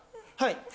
はい。